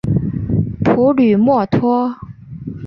普吕默托。